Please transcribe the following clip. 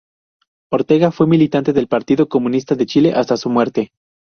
Ortega fue militante del Partido Comunista de Chile hasta su muerte.